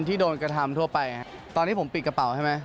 ตอนที่ผมปิดกระเป๋าใช่ไหม